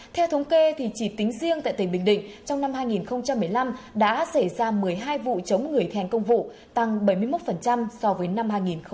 theo thống kê chỉ tính riêng tại tỉnh bình định trong năm hai nghìn một mươi năm đã xảy ra một mươi hai vụ chống người thi hành công vụ tăng bảy mươi một so với năm hai nghìn một mươi bảy